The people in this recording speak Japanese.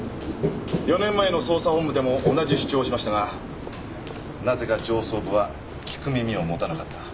４年前の捜査本部でも同じ主張をしましたがなぜか上層部は聞く耳を持たなかった。